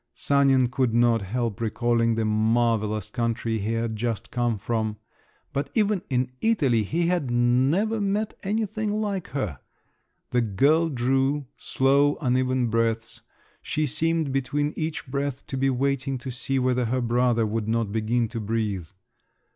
Sanin could not help recalling the marvellous country he had just come from…. But even in Italy he had never met anything like her! The girl drew slow, uneven breaths; she seemed between each breath to be waiting to see whether her brother would not begin to breathe.